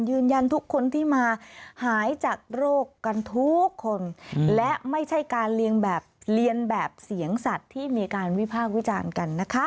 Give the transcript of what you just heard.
ยืนยันทุกคนที่มาหายจากโรคกันทุกคนและไม่ใช่การเลี้ยงแบบเรียนแบบเสียงสัตว์ที่มีการวิพากษ์วิจารณ์กันนะคะ